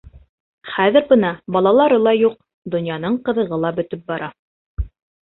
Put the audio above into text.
Хәҙер бына балалары ла юҡ, донъяның ҡыҙығы ла бөтөп бара.